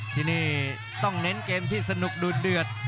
ที่นี่ต้องเน้นเกมที่สนุกดูดเดือด